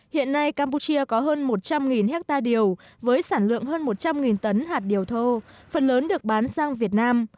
hiện nay campuchia có hơn một trăm linh hectare điều với sản lượng hơn một trăm linh tấn hạt điều thô phần lớn được bán sang việt nam